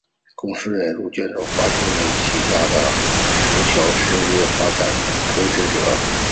公司引入福建华侨林文镜旗下公司融侨实业发展为企业投资者。